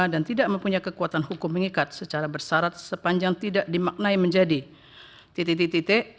dan tidak mempunyai kekuatan hukum mengikat secara bersarat sepanjang tidak dimaknai menjadi titik titik